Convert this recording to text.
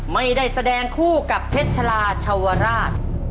ไม่ได้แสดงคู่กับเพชราชาวราช